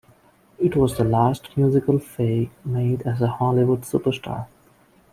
It was the last musical Faye made as a Hollywood superstar.